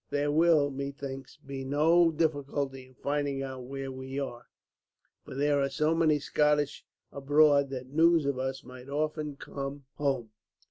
There will, methinks, be no difficulty in finding out where we are, for there are so many Scotch abroad that news of us must often come home.